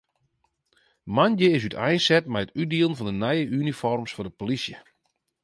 Moandei is úteinset mei it útdielen fan de nije unifoarms foar de polysje.